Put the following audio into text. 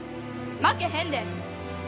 負けへんで！